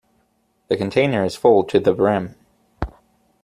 The container is full to the brim.